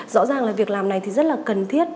rõ ràng là việc làm này thì rất là cần thiết